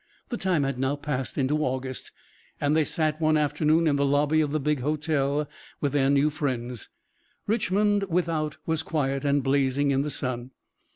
The time had now passed into August, and they sat one afternoon in the lobby of the big hotel with their new friends. Richmond without was quiet and blazing in the sun.